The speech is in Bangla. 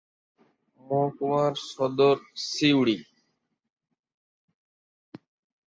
মহকুমার সদর সিউড়ি।